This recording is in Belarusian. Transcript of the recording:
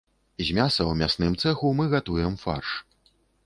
З мяса ў мясным цэху мы гатуем фарш.